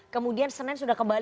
kemudian senin sudah kembali